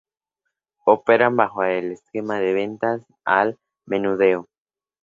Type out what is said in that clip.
Operan bajo el esquema de ventas al menudeo.